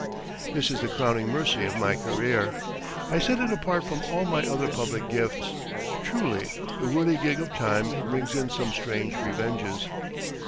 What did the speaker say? This is the crowning mercy of my career! I set it apart from all my other public gifts. Truly the whirligig of time brings in some strange revenges.